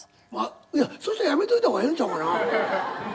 いやそしたらやめといた方がええんちゃうかな。